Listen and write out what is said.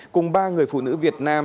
cùng ba người phụ nữ việt nam